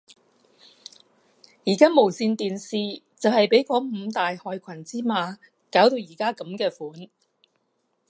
而家無線電視就係被嗰五大害群之馬搞到而家噉嘅款